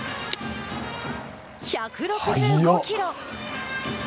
１６５キロ。